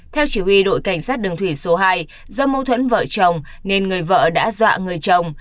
theo chỉ huy đội cảnh sát đường thủy số hai do mâu thuẫn vợ chồng nên người vợ đã dọa người chồng